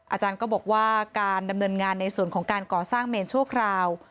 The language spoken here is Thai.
อาจารย์ก็บอกว่าการดำเนินงานในส่วนของการก่อสร้างเมนชั่วคราว